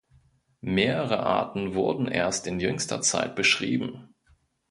Mehrere Arten wurden erst in jüngster Zeit beschrieben.